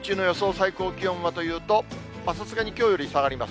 最高気温はというと、さすがにきょうよりは下がります。